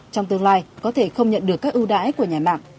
trong tương lai có thể không nhận được các ưu đãi của nhà mạng